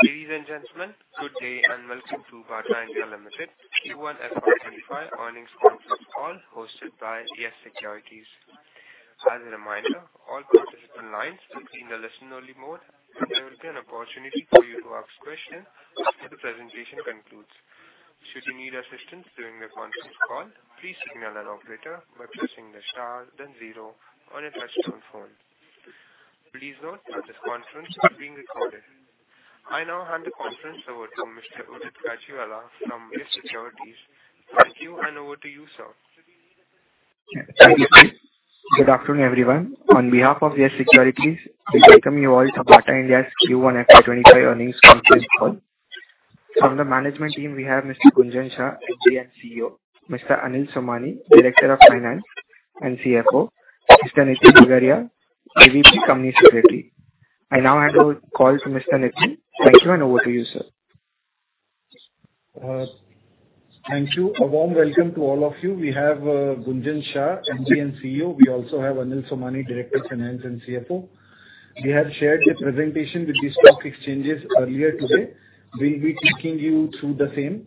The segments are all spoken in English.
Ladies and gentlemen, good day, and welcome to Bata India Ltd Q4 FY23 earnings call hosted by Yes Securities. As a reminder, all participant lines are in listen-only mode. There will be an opportunity for you to ask questions as the presentation concludes. Should you need assistance during the conference call, please signal an operator by pressing the star then zero on a touch-tone phone. Please note this conference is being recorded. I now hand the conference over to Mr. Udit Rajuwala from Yes Securities. Thank you, and over to you, sir. Thank you, sir. Good afternoon, everyone. On behalf of Yes Securities, we welcome you all to Bata India's UNFRC earnings conference call. From the management team, we have Mr. Gunjan Shah, MD and CEO, Mr. Anil Somani, Director of Finance and CFO, Mr. Nithin Tiberia, VP Company Secretary. I now hand over the call to Mr. Nithin. Thank you, and over to you, sir. Thank you. A warm welcome to all of you. We have Gunjan Shah, Managing Director and CEO. We also have Anil Somani, Director of Finance and CFO. We have shared the presentation with the stock exchanges earlier today. We'll be taking you through the same.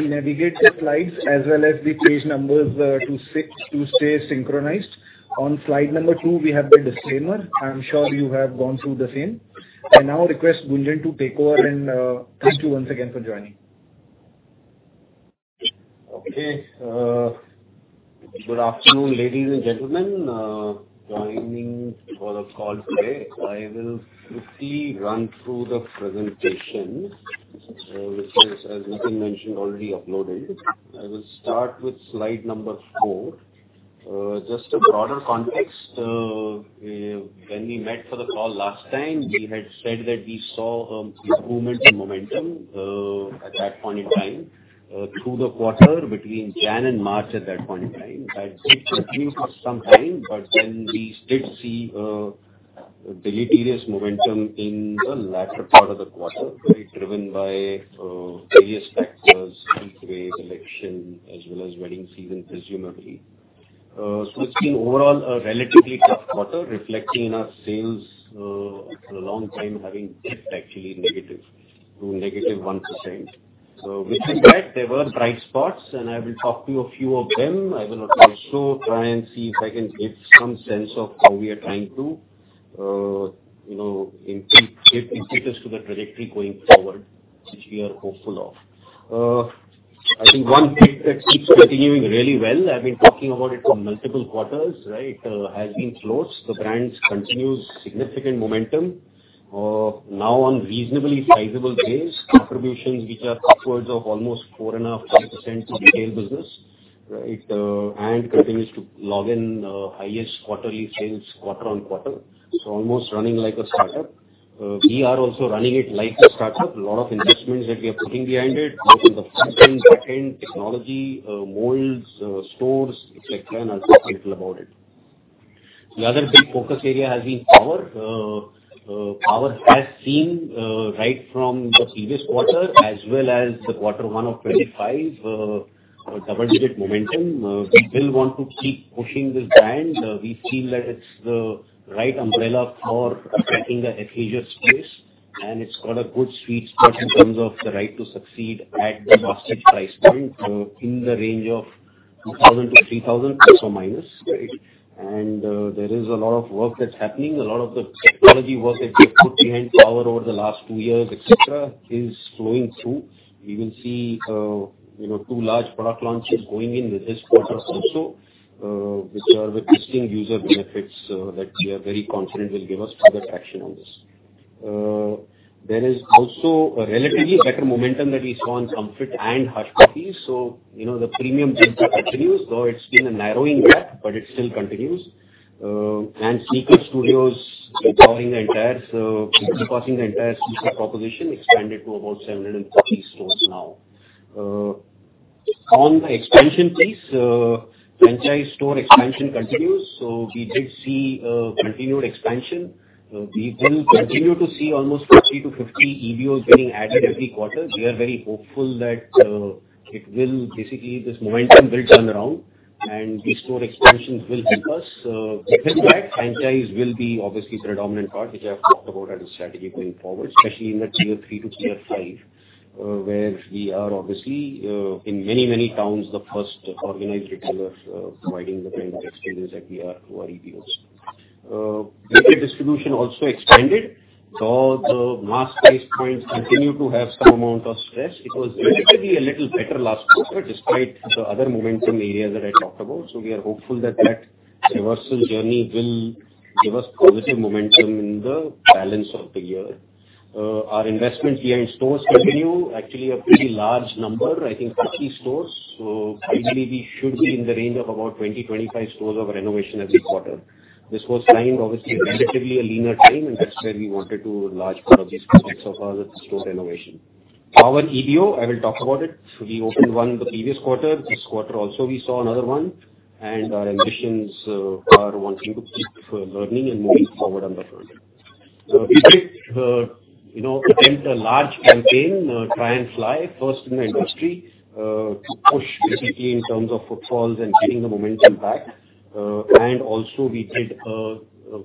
We navigate slides as well as the page numbers to stay synchronized. On slide number two, we have the disclaimer. I'm sure you have gone through the same. And now, request Gunjan to take over and thank you once again for joining. Okay. Good afternoon, ladies and gentlemen, joining the call today. I will briefly run through the presentation, which is, as Nithin mentioned, already uploaded. I will start with slide number 4. Just a broader context. When we met for the call last time, we had said that we saw improvements in momentum at that point in time through the quarter between January and March at that point in time. That did improve sometime, but then we did see deleterious momentum in the latter part of the quarter, driven by various factors: heatwave, election, as well as wedding season, presumably. So it's been overall a relatively tough quarter, reflecting in our sales for a long time having dipped actually negative to -1%. So with respect, there were bright spots, and I will talk to a few of them. I will also try and see if I can get some sense of where we are trying to, you know, in keeping fit to the trajectory going forward, which we are hopeful of. I think one thing that keeps continuing really well, I've been talking about it for multiple quarters, right? Has been Slow. The brand continues significant momentum now on reasonably sizable base, contributions which are upwards of almost 4.5% in retail business, right? And continues to logging highest quarterly sales quarter on quarter. So almost running like a startup. We are also running it like a startup. A lot of investments that we are putting behind it, both in the front-end, back-end, technology, molds, stores, et cetera, and I'll talk a little about it. The other big focus area has been Power. Power has seen, right from the previous quarter as well as the quarter 1 of 2025, a double-digit momentum. We still want to keep pushing this brand. We feel that it's the right umbrella for affecting the acquisition space, and it's got a good sweet spot in terms of the right to succeed at the market price point in the range of 2,000-3,000 ±, right? And there is a lot of work that's happening. A lot of the technology work that we put behind Power over the last 2 years, et cetera, is flowing through. We will see, you know, 2 large product launches going in with this quarter also, which are with distinct user benefits that we are very confident will give us further traction on this. There is also a relatively better momentum that is on Campus and HRX. So, you know, the premium continues, though it's been a narrowing gap, but it still continues. And Secret Studios is powering the entire, so it's crossing the entire Secret proposition, expanded to about 740 stores now. On the expansion piece, franchise store expansion continues. So we did see continued expansion. We will continue to see almost 50 to 50 EVOs being added every quarter. We are very hopeful that it will basically this momentum builds on around, and these store expansions will keep us. With that, franchise will be obviously the predominant part, which I have talked about as a strategy going forward, especially in the tier three to tier five, where we are obviously in many, many towns the first organized retailers providing the kind of experience that we are through our EVOs. Vehicle distribution also expanded, though the mass placements continue to have some amount of stress. It was relatively a little better last quarter despite the other momentum areas that I talked about. So we are hopeful that that reversal journey will give us positive momentum in the balance of the year. Our investments here in stores continue actually a pretty large number. I think 50 stores. So easily we should be in the range of about 20-25 stores of renovation every quarter. This was lined obviously relatively a leaner train, and that's where we wanted to large part of these projects of our store renovation. Our EVO, I will talk about it. We opened one the previous quarter. This quarter also we saw another one, and our ambitions are wanting to keep learning and moving forward on the front. You know, we went a large campaign, try and fly first in the industry to push basically in terms of footfalls and getting the momentum back. And also we did a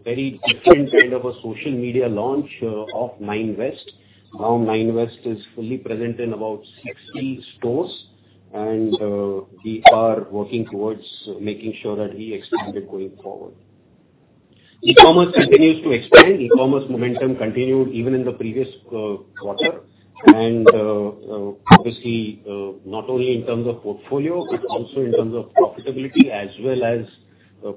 very different kind of a social media launch of Nine West. Now Nine West is fully present in about 60 stores, and we are working towards making sure that we expand it going forward. E-commerce continues to expand. E-commerce momentum continued even in the previous quarter. And obviously, not only in terms of portfolio, it's also in terms of profitability as well as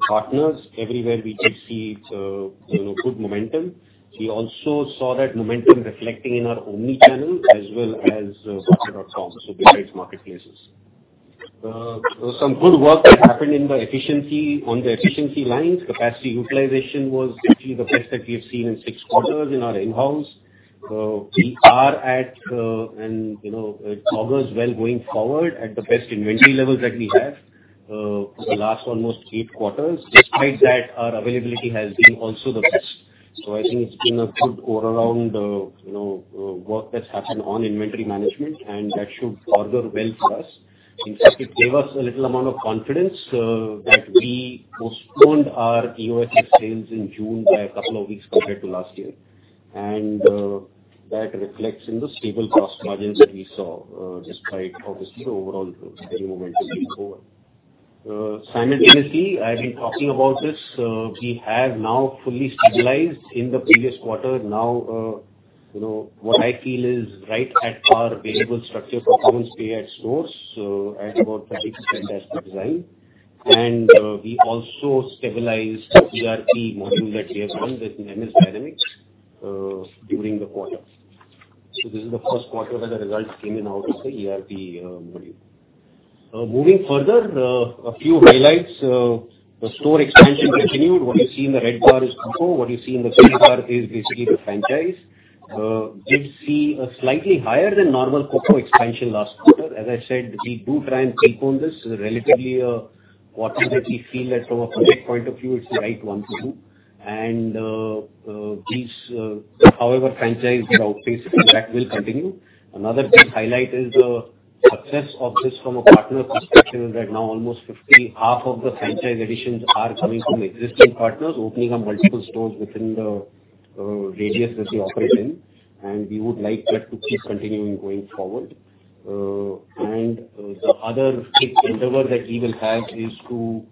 partners everywhere we can see good momentum. We also saw that momentum reflecting in our Omni-channel as well as Hotel.com. So besides marketplaces, there was some good work happened in the efficiency on the efficiency lines. Capacity utilization was basically the best that we have seen in six quarters in our in-house. We are at, and you know, it augurs well going forward at the best inventory levels that we have the last almost 8 quarters. Despite that, our availability has been also the best. So I think it's been a good all-around work that's happened on inventory management, and that should augur well for us. In fact, it gave us a little amount of confidence that we postponed our EOS sales in June by 2 weeks compared to last year. That reflects in the stable gross margins that we saw despite obviously the overall momentum going forward. Simultaneously, I've been talking about this. We have now fully stabilized in the previous quarter. Now, you know, what I feel is right at our variable structure performance pay at stores at about 30% as the design. We also stabilized the ERP module that we have run that's known as Dynamics during the quarter. This is the first quarter where the results came in out of the ERP module. Moving further, a few highlights. The store expansion continued. What you see in the red bar is Coco. What you see in the blue bar is basically the franchise. Did see a slightly higher than normal Coco expansion last quarter. As I said, we do try and take on this relatively quarterly. We feel that from a project point of view, it's the right one to do. And these, however, franchise growth basically track will continue. Another big highlight is the success of this from a partner perspective that now almost 50, half of the franchise additions are coming from existing partners, opening up multiple stores within the radius that we operate in. We would like that to keep continuing going forward. The other big endeavor that we've had is to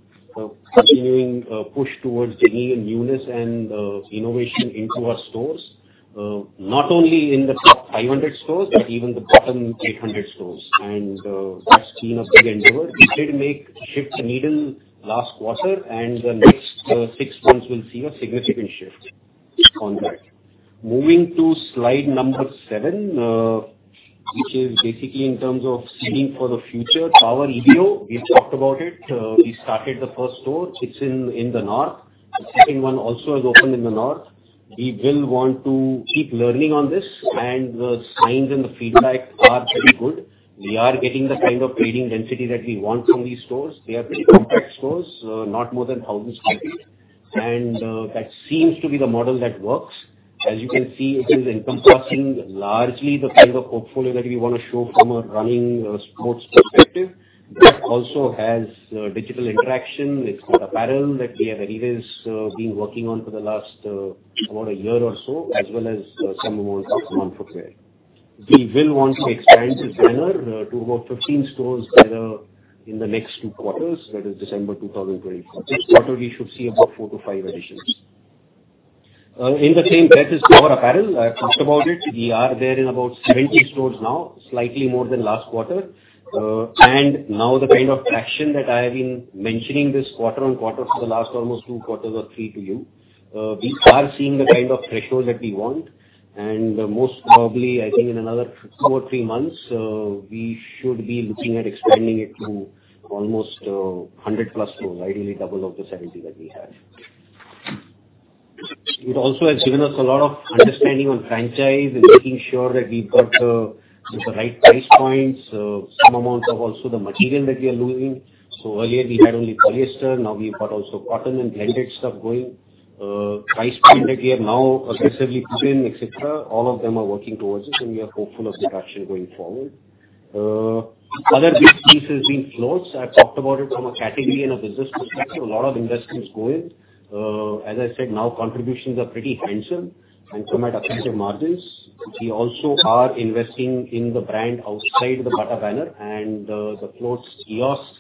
continue push towards the newness and innovation into our stores, not only in the 500 stores but even the 800 stores. That's been a big endeavor. We did make shift the needle last quarter, and the next six months will see a significant shift on that. Moving to slide number 7, which is basically in terms of seeing for the future, our EVO, we've talked about it. We started the first store. It's in the north. The second one also has opened in the north. We will want to keep learning on this, and the signs and the feedback are very good. We are getting the kind of leading density that we want from these stores. They are big stores, not more than thousands of people. That seems to be the model that works. As you can see, it is encompassing largely the kind of portfolio that we want to show from a running sports perspective. That also has digital interaction. It's the Power that we have always been working on for the last about a year or so, as well as some more 6 months or so. We will want to expand to 10 or to about 15 stores in the next 2 quarters, that is December 2024. This quarter, we should see about 4-5 additions. In the same breath, it's more a Power. I've talked about it. We are there in about 70 stores now, slightly more than last quarter. Now the kind of traction that I have been mentioning quarter-on-quarter for the last almost 2 quarters or 3 to you, we are seeing the kind of threshold that we want. And most probably, I think in another 2 or 3 months, we should be looking at expanding it to almost 100+ stores, ideally double of the 70 that we have. It also has given us a lot of understanding on franchise and making sure that we've got the right price points, some amount of also the material that we are losing. So earlier, we had only polyester. Now we've got also cotton and delicate stuff going. Price point that we have now aggressively put in, et cetera, all of them are working towards this, and we are hopeful of the traction going forward. Other big pieces being Floats. I've talked about it from a category and a business perspective. A lot of industries go in. As I said, now contributions are pretty essential and quite attractive margins. We also are investing in the brand outside the Bata banner, and the Floats kiosks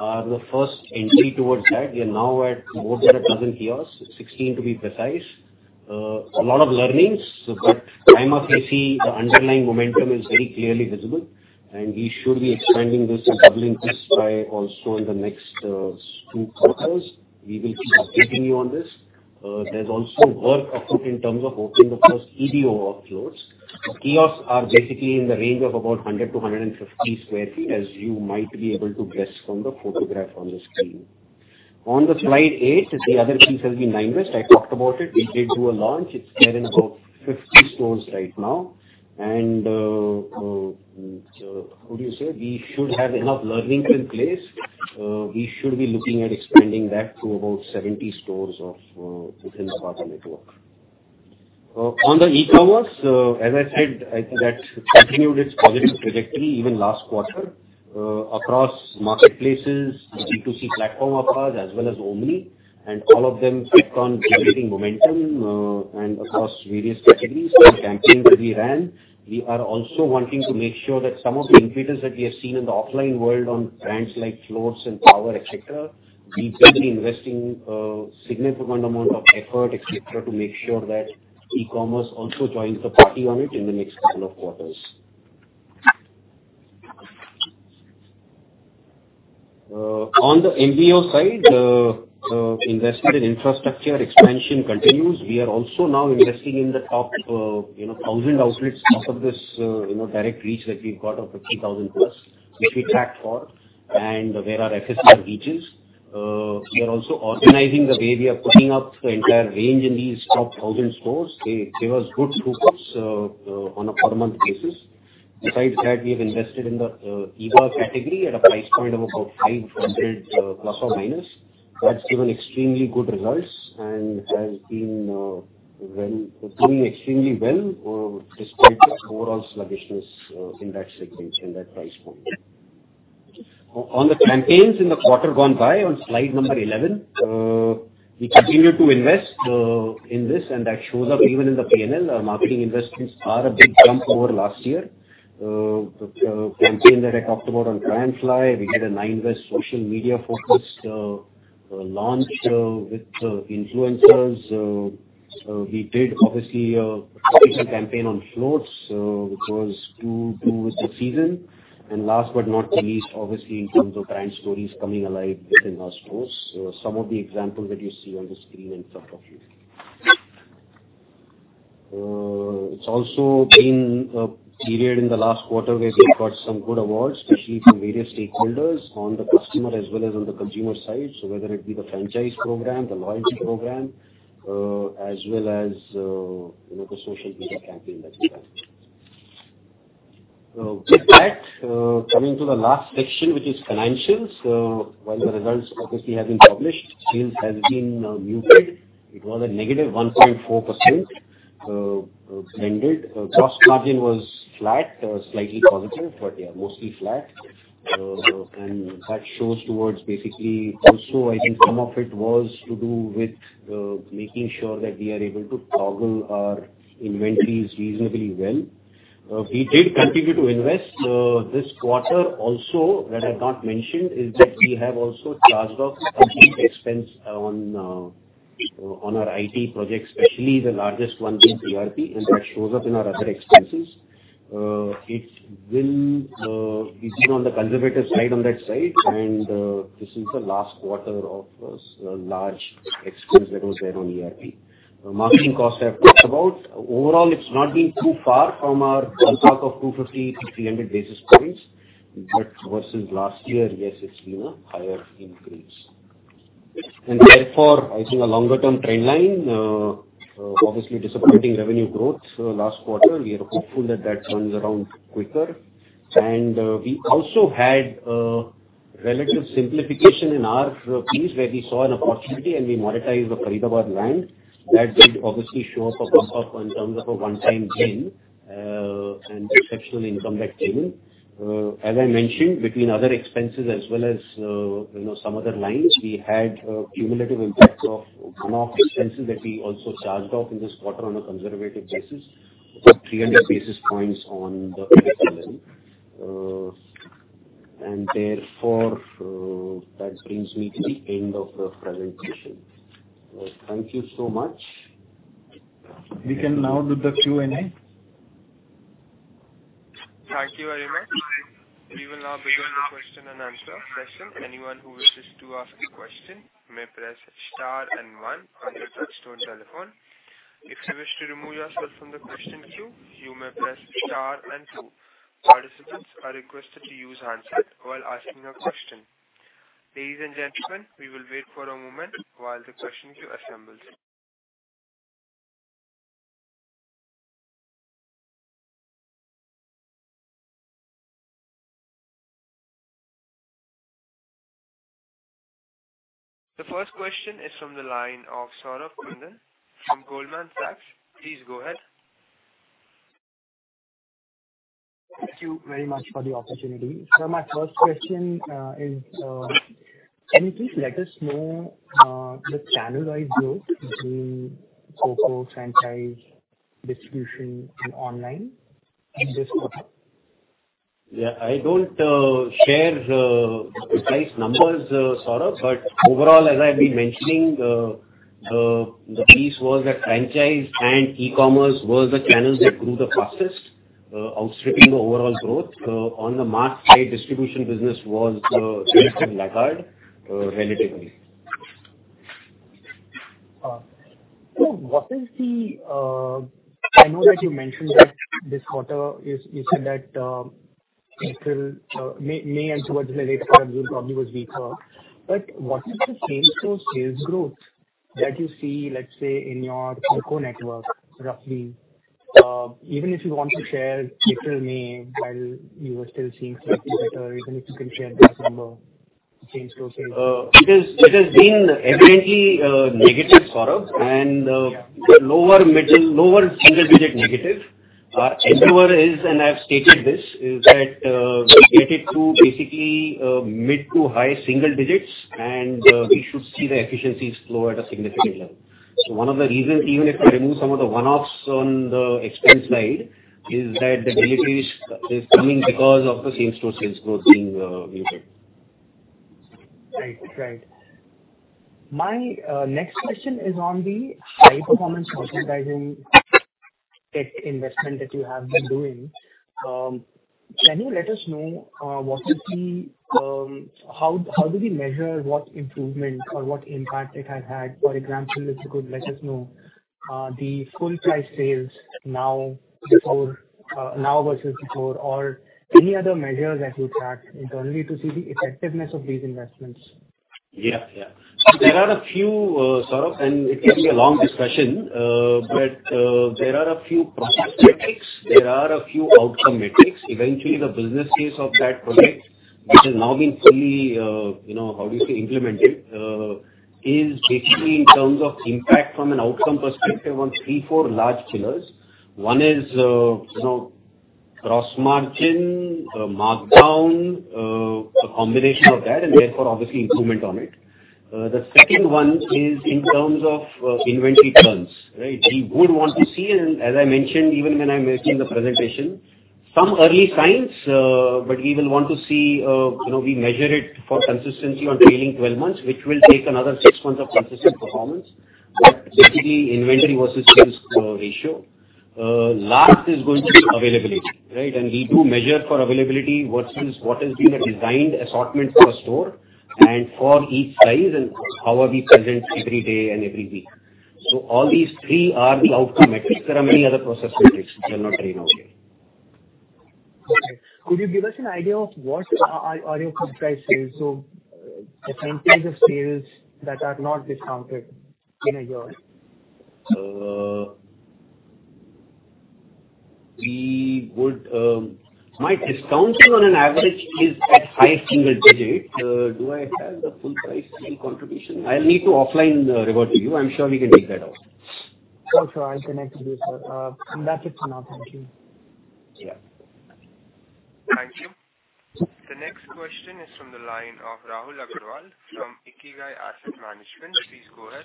are the first entry towards that. We are now at more than a dozen kiosks, 16 to be precise. A lot of learnings, but time of EC, the underlying momentum is very clearly visible, and we should be expanding this and doubling this by also in the next two quarters. We will keep continuing on this. There's also work afoot in terms of opening the first EBO Floats. The kiosks are basically in the range of about 100-150 sq ft, as you might be able to guess from the photograph on the screen. On the slide 8, the other piece has been Nine West. I talked about it. We did do a launch. It's there in about 50 stores right now. And how do you say? We should have enough learnings in place. We should be looking at expanding that to about 70 stores or within the Bata network. On the e-commerce, as I said, I think that continued its positive trajectory even last quarter across marketplaces, C2C platform of ours, as well as Omni, and all of them have been generating momentum across various categories. The campaign that we ran, we are also wanting to make sure that some of the increases that we have seen in the offline world on brands like Floats and Power, et cetera, we've been investing a significant amount of effort, et cetera, to make sure that e-commerce also joins the party on it in the next couple of quarters. On the MBO side, investment in infrastructure expansion continues. We are also now investing in the top, you know, 1,000 outlets off of this, you know, direct reach that we've got of 50,000 plus if we track for and where our FSE reaches. We are also organizing the way we are putting up the entire range in these top 1,000 stores. They give us good scoop ups on a per month basis. Besides that, we have invested in the EVA category at a price point of about 500 ±. That's given extremely good results and has been doing extremely well despite its overall sluggishness in that segment, in that price point. On the campaigns in the quarter gone by, on slide number 11, we continue to invest in this, and that shows up even in the P&L. Our marketing investments are a big jump over last year. The campaign that I talked about on Cry and Fly, we did a Nine West social media focus launch with influencers. We did obviously a focus and campaign on Floats, which was due to the season. And last but not least, obviously in terms of brand stories coming alive within our stores, some of the examples that you see on the screen in front of you. It's also been a period in the last quarter where we've got some good awards to see from various stakeholders on the customer as well as on the consumer side. So whether it be the franchise program, the loyalty program, as well as the social media campaign that's done. With that, coming to the last section, which is financials. While the results obviously have been published, sales has been muted. It was -1.4%. Granted, gross margin was flat, slightly positive, but yeah, mostly flat. And that shows towards basically also, I think some of it was to do with making sure that we are able to toggle our inventories reasonably well. We did continue to invest this quarter. Also, that I had not mentioned is that we have also charged off some expense on our IT projects, especially the largest one being ERP, and that shows up in our other expenses. It's been on the conservative side on that side, and this is the last quarter of our large expense that was there on ERP. Marketing costs have touched about. Overall, it's not been too far from our talk of 250-300 basis points. But versus last year, yes, it's been a higher increase. And therefore, I think a longer-term trend line, obviously disappointing revenue growth last quarter, we are hopeful that that runs around quicker. And we also had relative simplification in our piece where we saw an opportunity and we monetized the Karidabad line. That did obviously show up a bump up in terms of a one-time gain and exceptional income back payment. As I mentioned, between other expenses as well as some other lines, we had cumulative impacts of some of the expenses that we also charged off in this quarter on a conservative basis, 300 basis points on the level. Therefore, that brings me to the end of the presentation. Thank you so much. We can now do the Q&A. Thank you very much. We will now begin the question and answer session. Anyone who wishes to ask a question may press star and one on the touch-tone telephone. If you wish to remove yourself from the question queue, you may press star and two. Participants are requested to use the handset while asking a question. Ladies and gentlemen, we will wait for a moment while the question queue assembles. The first question is from the line of Saurabh Kundal from Goldman Sachs. Please go ahead. Thank you very much for the opportunity. So my first question is, can you please let us know the channel-wide growth between Coco, franchise, distribution, and online? And just what? Yeah, I don't share the precise numbers, Saurabh, but overall, as I've been mentioning, the piece was that franchise and e-commerce were the channels that grew the fastest, outstripping the overall growth. The marketplace distribution business lagged relatively. So what is the, I know that you mentioned this quarter, you said that April, May, and June was weak for us. But what is the same store sales growth that you see, let's say, in your Coco network roughly? Even if you want to share April, May, while you were still seeing slightly better, even if you can share this number, same store sales? It has been evidently negative, Saurabh, and the lower middle, lower single digit negative. Our endeavor is, and I've stated this, is that we get it to basically mid- to high single digits, and we should see the efficiencies lower at a significant level. So one of the reasons, even if we remove some of the one-offs on the expense side, is that the delta is coming because of the same store sales growth being muted. Right, right. My next question is on the high-performance marketing investment that you have been doing. Can you let us know what is the, how do we measure what improvement or what impact it has had? For example, if you could let us know the footfall now versus before, or any other measures that you track internally to see the effectiveness of these investments. Yeah, yeah. There are a few, Saurabh, and it can be a long discussion, but there are a few project metrics. There are a few outcome metrics. Eventually, the business case of that project, which has now been fully, you know, how do you say, implemented, is basically in terms of impact from an outcome perspective on 3-4 large pillars. One is, you know, Gross Margin, markdown, a combination of that, and therefore obviously improvement on it. The second one is in terms of Inventory Turns. We would want to see, and as I mentioned, even when I mentioned the presentation, some early signs, but we will want to see, you know, we measure it for consistency on trailing 12 months, which will take another 6 months of consistent performance, particularly inventory versus sales ratio. Last is going to be availability, right? We do measure for availability versus what has been a designed assortment for a store and for each size and how are we present every day and every week. So all these three are cloud metrics. There are many other processes which cannot drain out here. Okay. Could you give us an idea of what are your compliance sales? So the same kinds of sales that are not discounted in a year? My discounting on an average is at high single-digit. Do I have the full price sale contribution? I'll need to offline report to you. I'm sure we can figure that out. Sure, sure. I'll connect you there, sir. That's it for now. Thank you. Yeah. Thank you. The next question is from the line of Rahul Agrawal from Ikigai Asset Management. Please go ahead.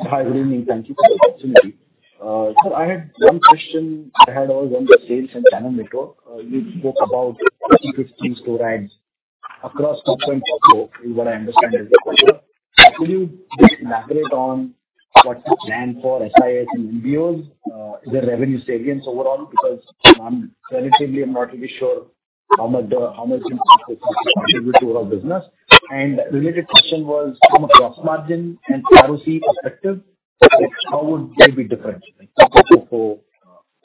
Hi, good evening. Thank you for the opportunity. So I had one question. I've already done the sales and channel network. We spoke about the Secret Studios store adds across top 24. So we want to understand the question. Can you just elaborate on what the plan for SIS and MBOs is the revenue savings overall? Because I'm relatively, I'm not really sure how much you think this is contributing to our business. And the related question was from a gross margin and ROC perspective, how would they be different? So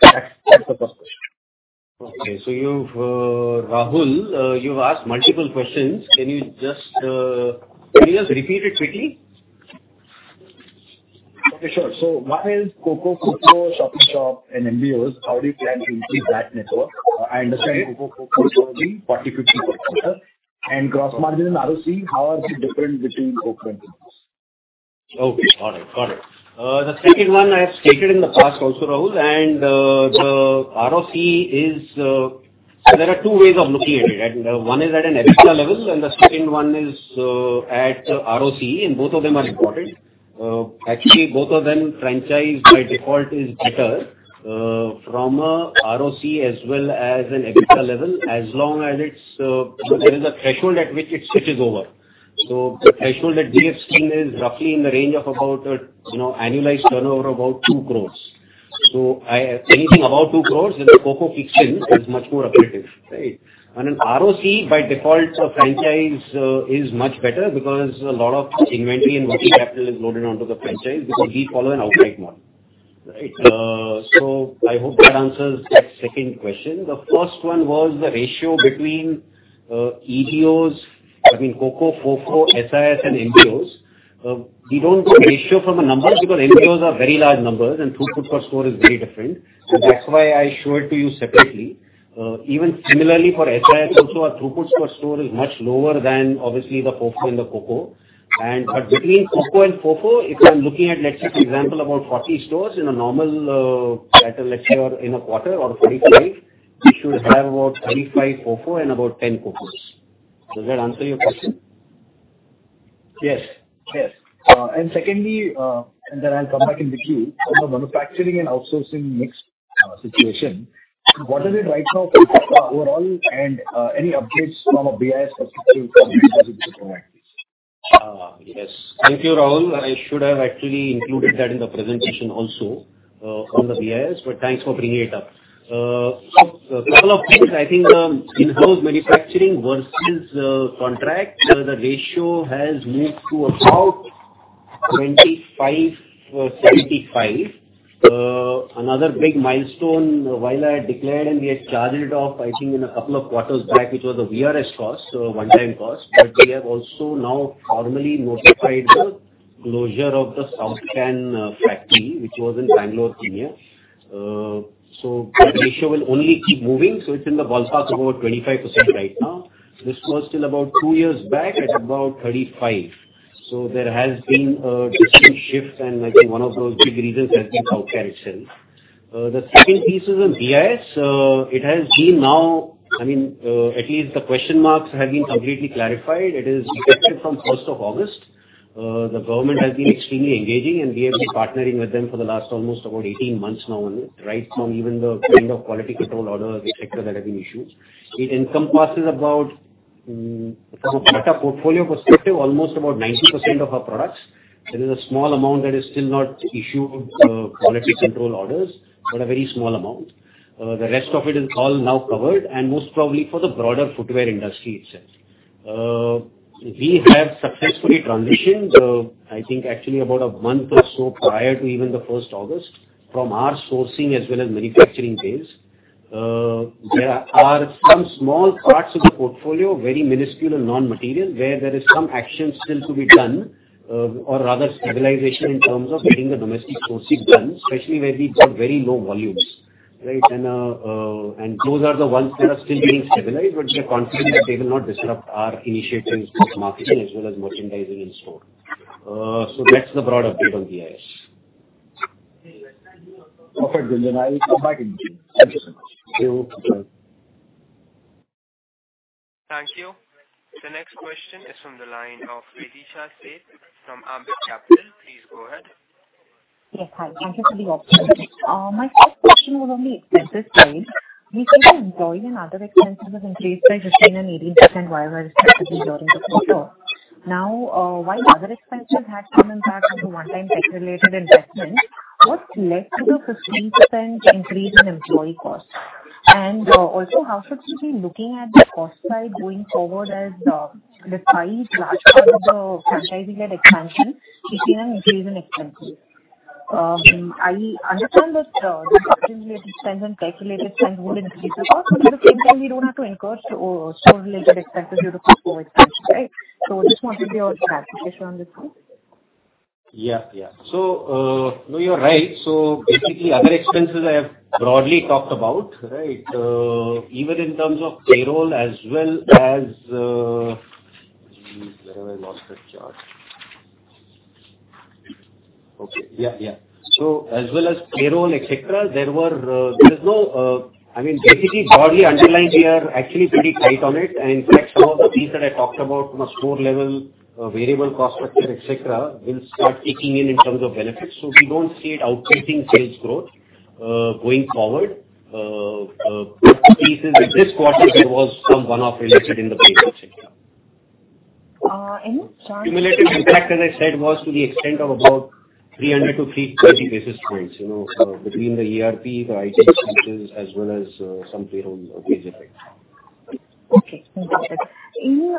that's the first question. Okay. So you've, Rahul, you've asked multiple questions. Can you just, can you just repeat it quickly? Yeah, sure. So while COCO, Fofo, shop-in-shop, and MBOs, how do you plan to increase that network? I understand COCO, Fofo, shop-in-shop, 40, 50 per quarter. And gross margin and ROC, how are they different between both vendors? Okay, got it. Got it. The second one I have stated in the past also, Rahul, and the ROC is, so there are two ways of looking at it. One is at an extra level, and the second one is at ROC, and both of them are important. Actually, both of them franchise by default is better from an ROC as well as an extra level, as long as it's, there is a threshold at which it switches over. So the threshold at GFS team is roughly in the range of about a, you know, annualized turnover of about 2 crore. So anything about 2 crore and Coco kicks in, it's much more appreciative, right? And an ROC by default, the franchise is much better because a lot of inventory and multi-capital is loaded onto the franchise because we follow an outside model, right? So I hope that answers the second question. The first one was the ratio between EVOs, I mean, Coco, Fofo, SIS, and MBOs. We don't do ratio from the numbers because MBOs are very large numbers and throughput per store is very different. That's why I showed it to you separately. Even similarly for SIS, also our throughput per store is much lower than obviously the Fofo and the Coco. And between Coco and Fofo, if I'm looking at, let's say, for example, about 40 stores in a normal pattern, let's say, or in a quarter or a quarter length, it should have about 35 Fofo and about 10 Cocos. Does that answer your question? Yes, yes. And secondly, and then I'll come back in the queue, the manufacturing and outsourcing mix situation. What is it right now overall and any updates from a BIS perspective? Yes. Thank you, Rahul. I should have actually included that in the presentation also on the BIS, but thanks for bringing it up. So a couple of things, I think in those manufacturing versus contract, the ratio has moved to about 25 or 75. Another big milestone while I declared and we had charged it off, I think in a couple of quarters back, which was a VRS cost, one-time cost. But we have also now formally notified the closure of the South Pan factory, which was in Bangalore. So the ratio will only keep moving. So it's in the ballpark of over 25% right now. This was still about two years back at about 35. So there has been a shift and I think one of those big reasons has been South Pan itself. The second piece is on BIS. It has been now, I mean, at least the question marks have been completely clarified. It is effective from 1st of August. The government has been extremely engaging and we have been partnering with them for the last almost about 18 months now, right from even the kind of quality control order etc. that have been issued. It encompasses about from a portfolio perspective, almost about 90% of our products. There is a small amount that is still not issued quality control orders, but a very small amount. The rest of it is all now covered and most probably for the broader footwear industry itself. We have successfully transitioned, I think actually about a month or so prior to even the 1st of August from our sourcing as well as manufacturing days. There are some small parts of the portfolio, very minuscule and non-material where there is some action still to be done or rather stabilization in terms of getting the domestic sourcing done, especially where we've got very low volumes, right? And those are the ones that are still being stabilized, but we are confident that they will not disrupt our initiatives for marketing as well as merchandising and store. So that's the broad update on BIS. Perfect, Gunjan. I'll come back in the queue. Thank you so much. You too. Thank you. The next question is from the line of Pratisha Seth from Ambit Capital. Please go ahead. Yes, hi. Thank you for the opportunity. My first question was on the expenses side. We could have employee and other expenses increased by 15% and 18% while we are expected to be during the quarter. Now, while other expenses had been impacted to one-time tech-related investments, what's left to the 15% increase in employee costs? And also, how should we be looking at the cost side going forward as despite large part of the franchise-related expansion, we still have increase in expenses? I understand that the expenses and calculated spend will increase, but simply we don't have to encourage store-related expenses due to COVID crisis, right? So I just wanted your clarification on this one. Yeah, yeah. So no, you're right. So basically, other expenses I have broadly talked about, right? Even in terms of payroll as well as the... Where have I lost the chart? Okay, yeah, yeah. So as well as payroll, etc., there were, there's no, I mean, basically broadly underlined, we are actually pretty tight on it. Next month, these that I talked about from a store level, variable cost structure, etc., will start kicking in in terms of benefits. We don't see it outpacing sales growth going forward. This quarter, there was some one-off related in the payroll, etc. Any chart? Simulated impact, as I said, was to the extent of about 300-320 basis points, you know, between the ERP, the IT switches, as well as some payroll basically. Okay, perfect. In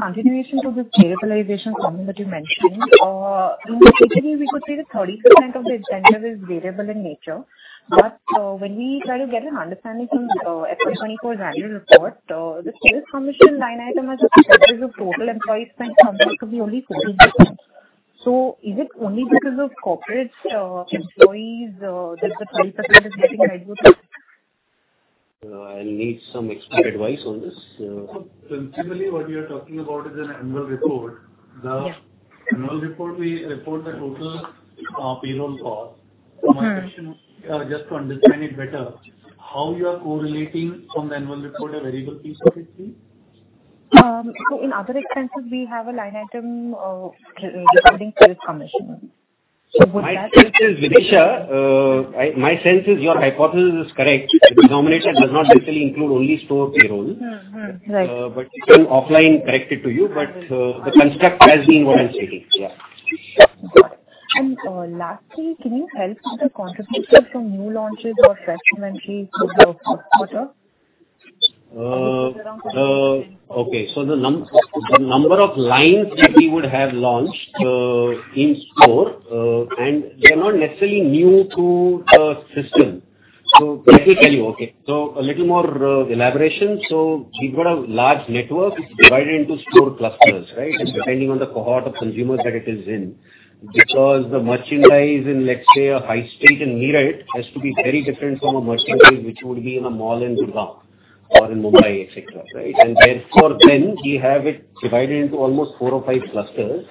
continuation to the stabilization comment that you mentioned, specifically, we could say that 30% of the incentive is variable in nature. But when we try to get an understanding from the FS24 graduate report, the sales commission line item has a percentage of total employee spend, something could be only 14%. So is it only because of corporate employees did the 20% decreasing? I need some expert advice on this. So principally, what you're talking about is an annual report. The annual report, we report the total payroll cost. Just to understand it better, how you are correlating from the annual report, a variable piece of it? So in other expenses, we have a line item referring to this commission. So would that... My sense is, Vinisha, my sense is your hypothesis is correct. The denomination does not necessarily include only store payroll. But it's been offline corrected to you, but the construct has been what I'm stating. Yeah. And lastly, can you help us to contribute to some new launches or fresh inventory in the quarter? Okay, so the number of lines that we would have launched in store and they're not necessarily new to the system. So let me tell you, okay. So a little more elaboration. So we've got a large network divided into store clusters, right? Depending on the cohort of consumers that it is in. Because the merchandise in, let's say, a high street in NCR has to be very different from a merchandise which would be in a mall in Gurgaon, Faridabad and Mumbai, etc., right? Therefore then we have it divided into almost four or five clusters.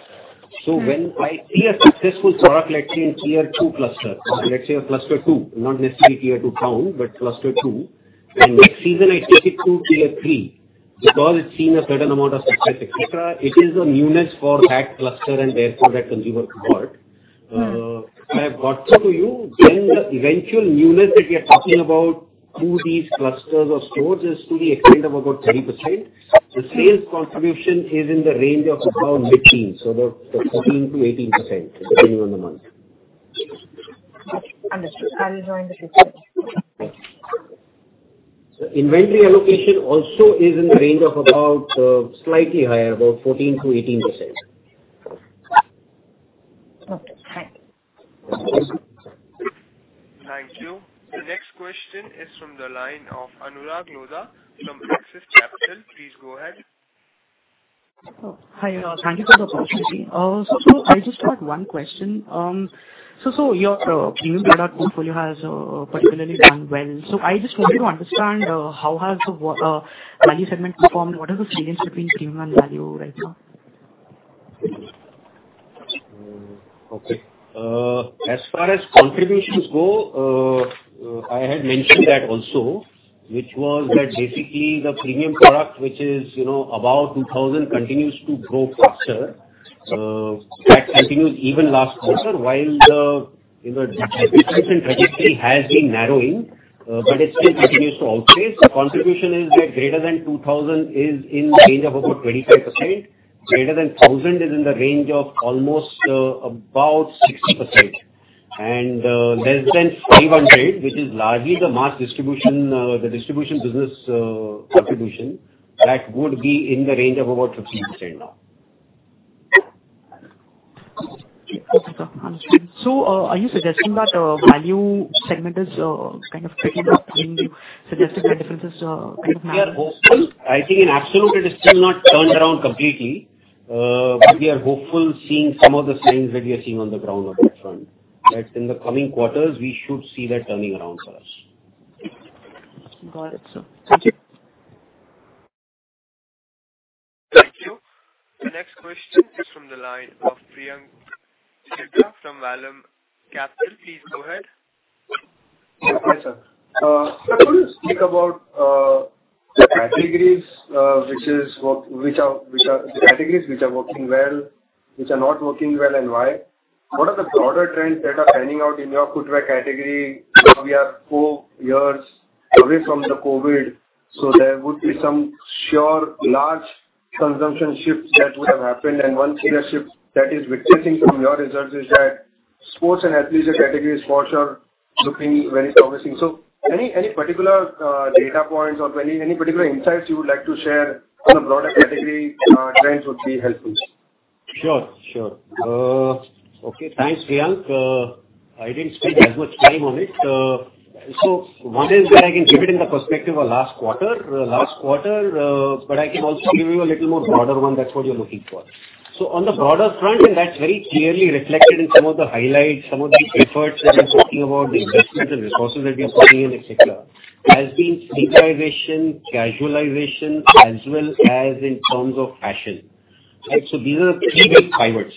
So when I buy a successful product, let's say in tier two cluster, let's say a cluster two, not necessarily tier two town, but cluster two, and in the season I take it to tier three, because it's seen a certain amount of success, etc., it is a newness for that cluster and therefore that consumer part. It gets to you, then the eventual newness that we are talking about to these clusters or stores is to the extent of about 30%. The sales contribution is in the range of about 15%, so about 14%-18% depending on the month. Understood. I'll join the shift. Inventory allocation also is in the range of about slightly higher, about 14%-18%. Thank you. The next question is from the line of Anurag Lodha from Axis Capital. Please go ahead. Hi, Anurag. Thank you for the opportunity. So I just have one question. So your premium product portfolio has particularly done well. So I just want you to understand how has the value segment performed? What are the savings between premium and value right now? Okay. As far as contributions go, I had mentioned that also, which was that basically the premium product, which is, you know, about 2000, continues to grow faster. That continues even last quarter while the in the elasticity has been narrowing, but it still continues to outpace. The contribution is that greater than 2000 is in the range of about 25%. Greater than 1000 is in the range of almost about 60%. And less than 300, which is largely the mass distribution, the distribution business contribution, that would be in the range of about 15% now. So are you suggesting that value segment is kind of picking up suggested differences kind of now? We are hopeful. I think in absolute, it has still not turned around completely. We are hopeful seeing some of the savings that we are seeing on the ground on that front. That's in the coming quarters, we should see that turning around for us. Got it, sir. Thank you. The next question is from the line of Priyank from Valem Capital. Please go ahead. Yes, sir. Could you speak about the categories which are working, which are working well, which are not working well, and why? What are the broader trends that are planning out in your footwear category? We are four years away from the COVID, so there would be some sure large consumption shifts that would have happened. And one senior shift that is witnessing from your results is that sports and athleisure category is for sure looking very promising. So any particular data points or any particular insights you would like to share on the broader category trends would be helpful. Sure, sure. Okay, thanks, Priyank. I didn't speak as much time on it. So one is that I can give it in the perspective of last quarter, last quarter, but I can also give you a little more broader one that's what you're looking for. So on the broader front, and that's very clearly reflected in some of the highlights, some of the efforts that we're talking about, the investments and resources that we're putting in, etc., has been democratization, casualization, as well as in terms of fashion. So these are three big pivots.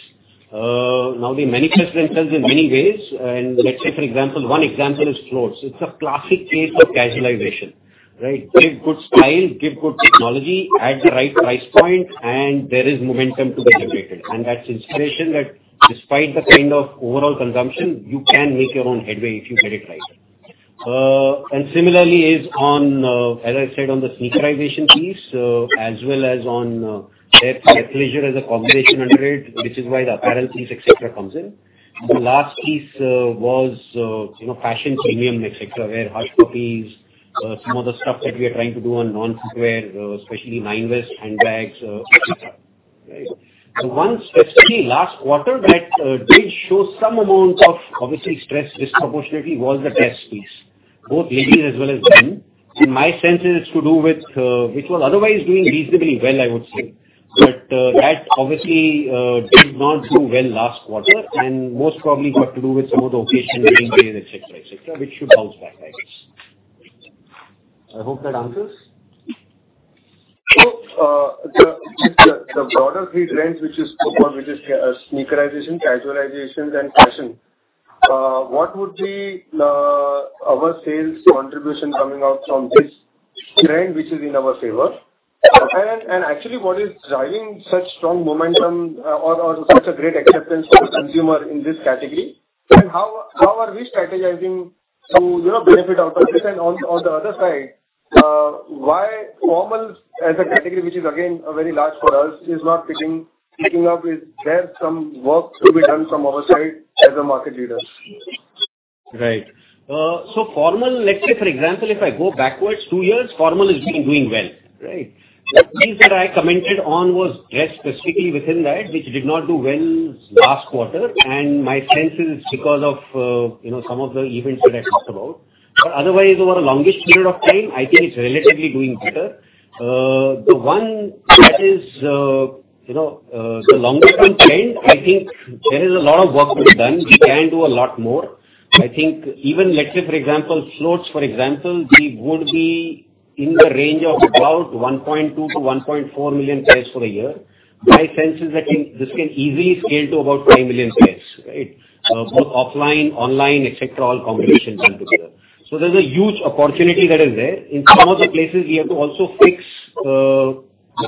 Now they manifest themselves in many ways. And let's say, for example, one example is clothes. It's a classic case of casualization, right? Give good style, give good technology, add the right price point, and there is momentum to be created. And that's inspiration that despite the kind of overall consumption, you can make your own headway if you get it right. And similarly is on, as I said, on the democratization piece, as well as on that leisure as a combination under it, which is why the apparel piece, etc., comes in. The last piece was, you know, fashion, premium, etc., where Hush Puppies, some of the stuff that we are trying to do on non-footwear, especially Nine West handbags, etc., right? So one specifically last quarter that did show some amount of obviously stress disproportionately was the textile piece, both ladies as well as men. In my sense, it has to do with which was otherwise doing reasonably well, I would say. But that obviously did not do well last quarter and most probably had to do with some of the occasion leading days, etc., etc., which should bounce back, I guess. I hope that answers. The broader three trends, which is sneakerization, casualization, and fashion. What would be our sales contribution coming out from this trend, which is in our favor? And actually, what is driving such strong momentum or such a great acceptance of consumer in this category? How are we strategizing to benefit out of this? And on the other side, why formal as a category, which is again very large for us, is not picking up? Is there some work to be done from our side as a market leader? Right. So formal, let's say, for example, if I go backwards two years, formal has been doing well, right? That piece that I commented on was, less specifically, within that, which did not do well last quarter. And my sense is because of, you know, some of the events that I talked about. But otherwise, over the longest period of time, I think it's relatively doing better. The one that is, you know, the longest one trend, I think there is a lot of work to be done. We can do a lot more. I think even, let's say, for example, Clothes, for example, they would be in the range of about 1.2-1.4 million pairs for a year. My sense is that this can easily scale to about 5 million pairs, right? Both offline, online, etc., all competition come together. So there's a huge opportunity that is there. In some of the places, we have to also fix the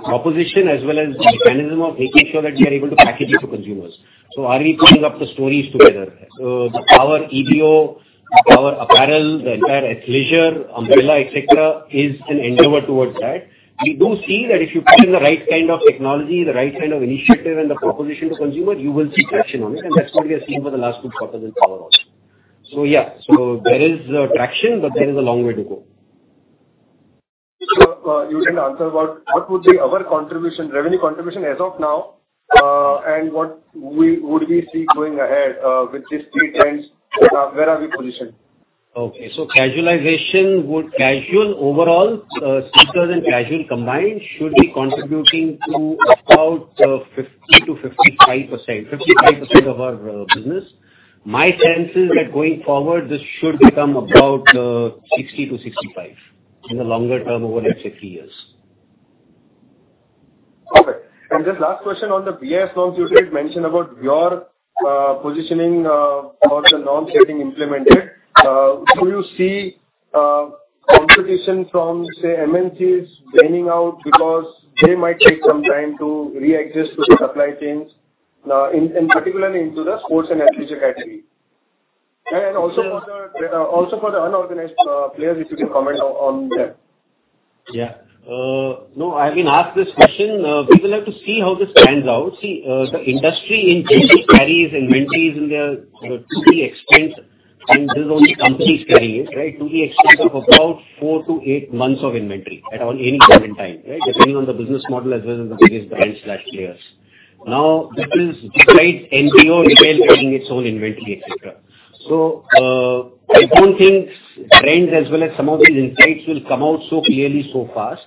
proposition as well as the mechanism of making sure that we are able to facilitate for consumers. So are we putting up the stores together? Our EVO, our apparel, the entire athleisure umbrella, etc., is an endeavor towards that. We do see that if you put in the right kind of technology, the right kind of initiative and the proposition to consumer, you will see traction on it. And that's what we have seen for the last two quarters in our outlets. So yeah, so there is traction, but there is a long way to go. So you didn't answer about what would be our contribution, revenue contribution as of now, and what would we see going ahead with these three trends? Where are we positioned? Okay, so casualization would casual overall sneakers and casual combined should be contributing to about 50%-55%, 55% of our business. My sense is that going forward, this should come about 60%-65% in the longer term over the next 50 years. Perfect. And just last question on the BIS regulation mention about your positioning about the non-compliant implementation. Could you see competition from, say, MNCs winning out because they might take some time to realign to supply chains, in particular into the sports and athleisure category? And also for the unorganized players, if you could comment on that. Yeah. No, I've been asked this question. We will have to see how this pans out. See, the industry in various inventories and the extent in those companies can be used, right? To the extent of about 4-8 months of inventory at any given time, right? Depending on the business model as well as the various brands/layers. Now, this is despite NPO as well using its own inventory, etc. So I don't think trends as well as some of these insights will come out so clearly so fast.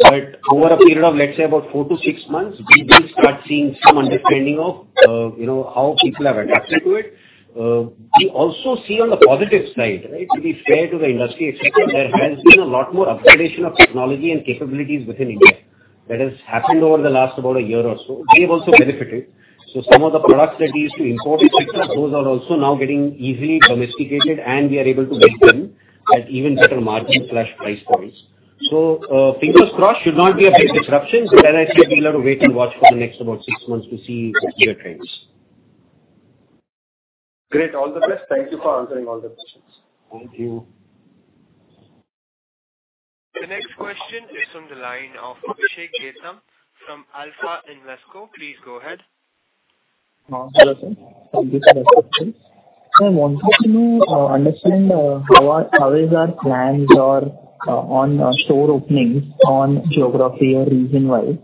But over a period of, let's say, about 4-6 months, we will start seeing some understanding of, you know, how people have adapted to it. We also see on the positive side, right? To be fair to the industry, there has been a lot more upgradation of technology and capabilities within India that has happened over the last about a year or so. We have also benefited. So some of the products that we used to import, those are also now getting easily domesticated, and we are able to make them at even better margin/price points. So fingers crossed should not be a big disruption. That I think we'll have to wait and watch for the next about six months to see what the trends. Great. All the best. Thank you for answering all the questions. Thank you. The next question is from the line of Vishay Getham from Alpha Invesco. Please go ahead. Thank you for the question. I wanted to know, understanding what are your plans on store openings on geography or region-wide?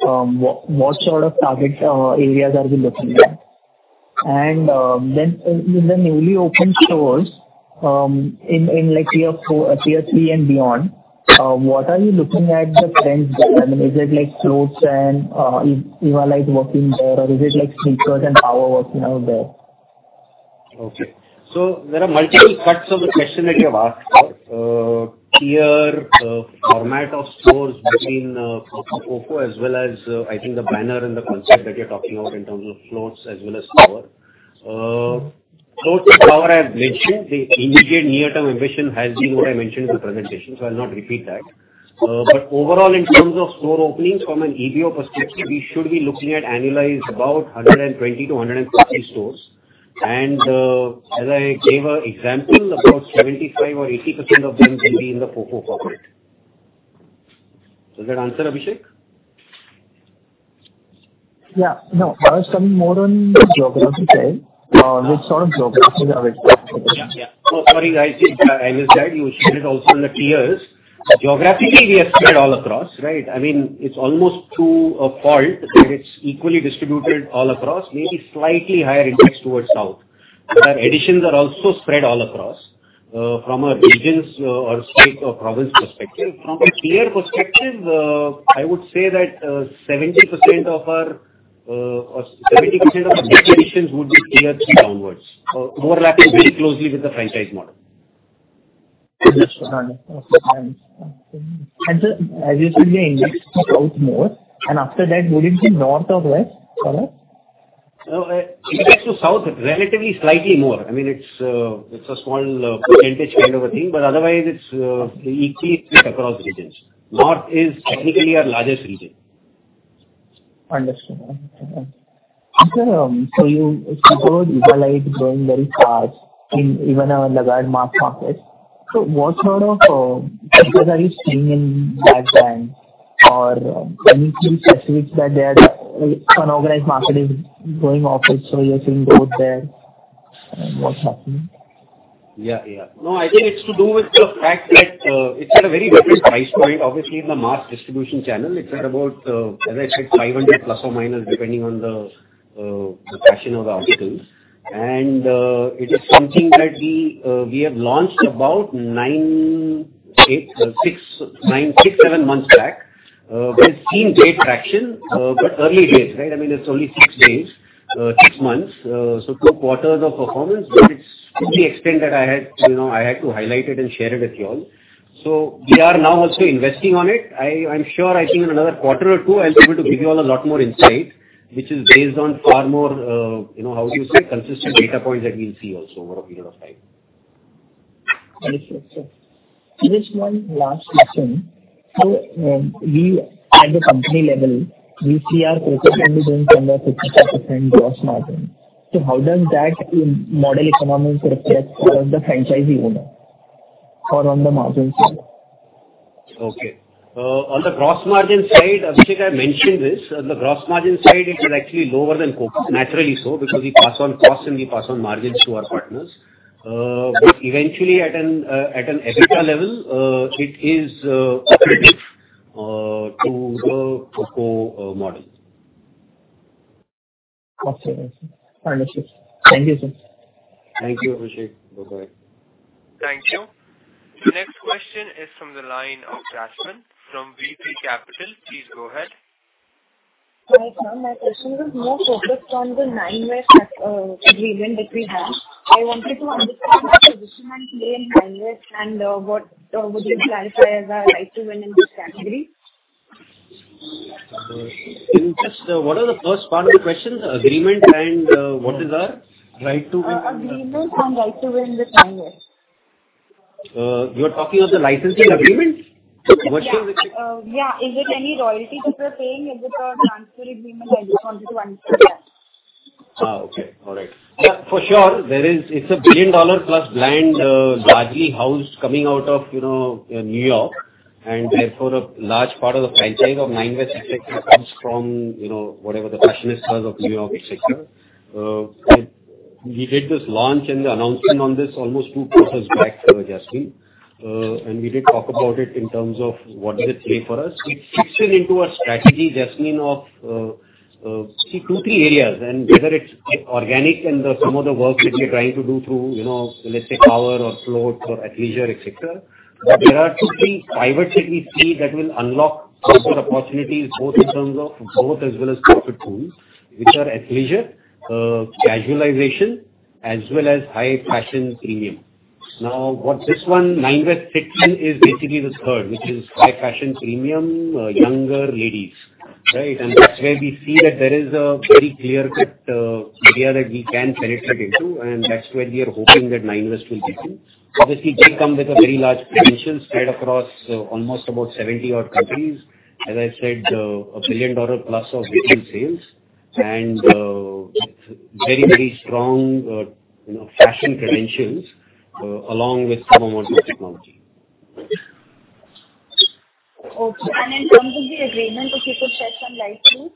What sort of target areas are we looking at? And then in the newly opened stores in like year three and beyond, what are you looking at the trends? I mean, is it like Clothes and Evalite working there, or is it like sneakers and Power working out there? Okay. So there are multiple facts of the question that you have asked. Different formats of stores between Coco as well as, I think, the banner and the concept that you're talking about in terms of Clothes as well as Power. Clothes and Power, we have mentioned the immediate near-term ambition has been what I mentioned in the presentation. So I'll not repeat that. But overall, in terms of store openings from an EVO perspective, we should be looking at annualized about 120-150 stores. As I gave an example, about 75% or 80% of them will be in the Coco corporate. Does that answer Abhishek? Yeah. No, some more on geography, Jay. Let's start with geography. Sorry, guys. I was glad you shared it also in the TEAs. Geographically, we have spread all across, right? I mean, it's almost true for all that it's equally distributed all across, maybe slightly higher index towards south. Our additions are also spread all across from a region's or state or province perspective. From a TEA perspective, I would say that 70% of our 70% of distributions would be TEAs downwards, overlapping very closely with the franchise model. Has it really increased to south more? And after that, will it be north or west? It is to south relatively slightly more. I mean, it's a small percentage kind of a thing, but otherwise it's equal across regions. North is technically our largest region. Understood. So you explored Evalite growing very fast in even a laggard market. So what sort of, if there is staying in that band or anything specific that there's an organized market is going off it? So you're seeing growth there? What's happening? Yeah, yeah. No, I think it's to do with the fact that it's in a very high price point, obviously in the mass distribution channel. It's at about, as I said, 500 plus or minus depending on the fashion of the articles. And it is something that we have launched about 6, 7 months back. It's seen traction, but early days, right? I mean, it's only 6 months. So two quarters of performance, which is to the extent that I had to highlight it and share it with you all. So we are now also investing on it. I'm sure I think in another quarter or two, I'll be able to give you all a lot more insight, which is based on far more, you know, how do you say, consistent data points that we see also over a period of time. Understood. So this one last question. So we had the company level, which we are focusing on some of the 50% gross margin. So how does that model if someone wants to reflect the franchisee owner? Or on the margin side? Okay. On the gross margin side, Abhishek, I mentioned this. On the gross margin side, it is actually lower than Coco, naturally so, because we pass on costs and we pass on margins to our partners. Eventually, at an EBITDA level, it is equivalent to the Coco model. Gotcha. Thank you. Thank you, Abhishek. Bye-bye. Thank you. The next question is from the line of Jasmine from VP Capital. Please go ahead. Hi, Sam. My question is more focused on the Nine West region that we have. I wanted to understand the position and play in Nine West and what would you clarify as our right to win in the category? In this, what is the first part of the question? The agreement and what is our right to win? Agreement and right to win in the Nine West. You're talking of the licensing agreement? What's your... Yeah. Is it any royalty that we're paying? Is it a transfer agreement? I just wanted to understand. Okay. All right. Yeah, for sure. There is, it's a $1 billion-plus brand largely housed coming out of, you know, New York. And therefore, a large part of the franchise of Nine West comes from, you know, whatever the fashionista of New York, etc. We did this launch and the announcement on this almost two quarters back, Jasmine. And we did talk about it in terms of what is it here for us. It fits into our strategy, Jasmine, of two or three areas. And whether it's organic and some of the work that we are trying to do through, you know, let's say Power or Clothes or athleisure, etc. There are two or three key areas that will unlock some good opportunities, both in terms of growth as well as corporate goals, which are athleisure, casualization, as well as high fashion premium. Now, what this Nine West is basically the third, which is high fashion premium, younger ladies, right? And that's where we see that there is a very clear area that we can penetrate into. And that's where we are hoping that Nine West will be too. Obviously, she comes with a very large credential spread across almost about 70-odd countries. As I said, $1 billion+ of retail sales. And very, very strong, you know, fashion credentials along with some of the technology. And in terms of the agreement, could you shed some light too?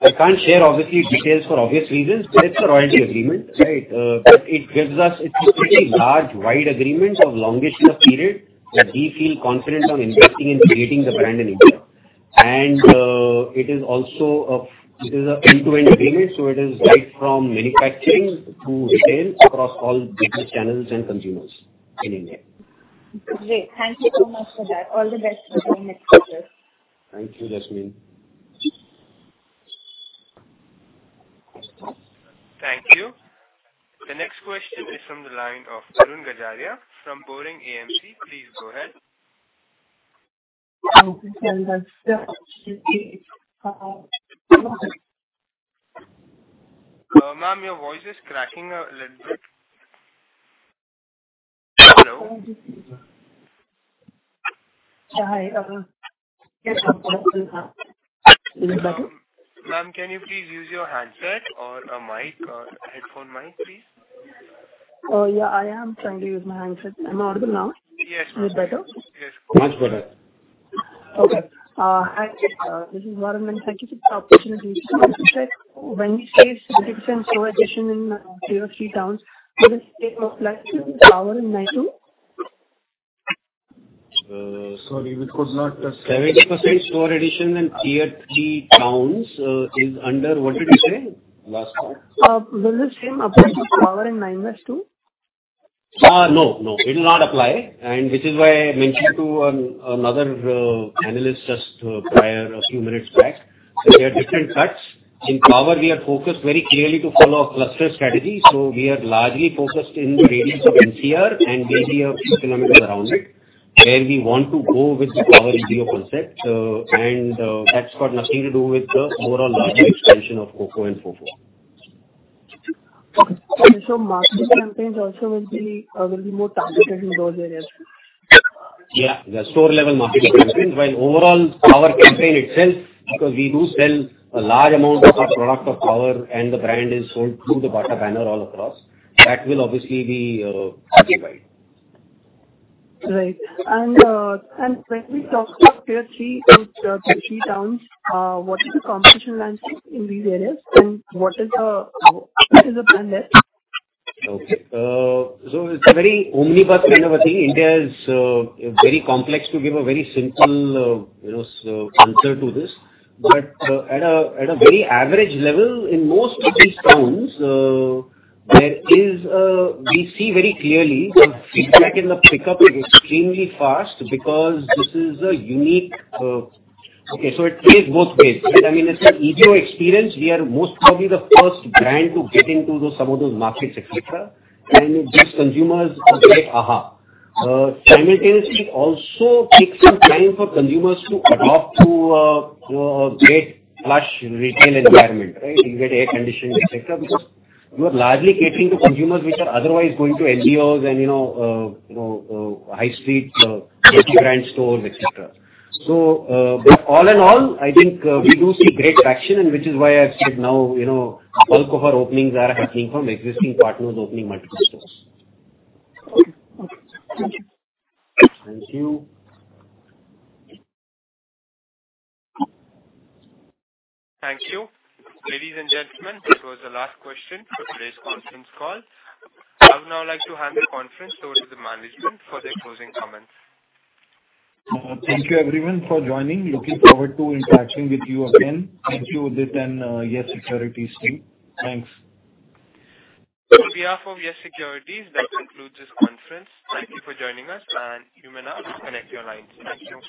I can't share obviously details for obvious reasons. It's a royalty agreement, right? It gives us a pretty large, wide agreement of longest of period. We feel confident on investing in creating the brand in India. It is also a B2B business, so it is right from manufacturing to retail across all business channels and consumers in India. Great. Thank you so much for that. All the best for you in the future. Thank you, Jasmine. Thank you. The next question is from the line of Arun Gajaria from Boring AMC. Please go ahead. Ma'am, your voice is cracking a little bit. Hello? Hi. Ma'am, can you please use your handset or a mic or headphone mic, please? Oh, yeah, I am trying to use my handset. Am I audible now? Yes. Is it better? Much better. Okay. Hi, Jasmine. This is Arun. And thank you for the opportunity to share. When shares 50% store addition in Tier 3 towns, does it stay off like Power and Nine too? Sorry, we could not. 70% store addition in TEAs three towns is under, what did you say? Will this same apply to Power and Nine West too? No, no. It will not apply. And this is why I mentioned to another analyst just prior a few minutes back that we have different facts. In Power, we are focused very clearly to follow a cluster strategy. So we are largely focused in areas of NCR and BGF economics around it, where we want to go with the Power EBO concept. And that's got nothing to do with the overall logistic expansion of COCO and FOFO. Okay. So marketing campaigns also will be more targeted in those areas? Yeah, the store-level marketing campaigns. While overall Power campaign itself, because we do sell a large amount of product of Power and the brand is sold through the Bata banner all across, that will obviously be targeted. Right. And when we talk to Tier 3 towns, what is the competition landscape in these areas? And what is the plan there? Okay. So it's very ambiguous kind of a thing. India is very complex to give a very simple answer to this. But at a very average level, in most of these zones, there is a, we see very clearly, the feedback and the pickup is extremely fast because this is a unique. Okay, so it plays both games. I mean, it's an EBO experience. We are most probably the first brand to get into some of those markets, etc. And it gives consumers a great aha. Simultaneously, it also takes some time for consumers to adapt to a great plush retail environment, right? You get air conditioning, etc. You are largely catering to consumers which are otherwise going to MBOs and, you know, high street brand stores, etc. So all in all, I think we do see great traction, and which is why I said now, you know, bulk of our openings are coming from existing partners opening multiple stores. Okay. Thank you. Thank you. Thank you. Ladies and gentlemen, this was the last question for today's conference call. I would now like to hand the conference over to the management for their closing comments. Thank you, everyone, for joining. Looking forward to interacting with you again. Thank you, Udit and Yes Securities team. Thanks. On behalf of Yes Securities, that concludes this conference. Thank you for joining us, and you may now connect your lines. Thank you.